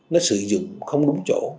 nó sử dụng không đúng chỗ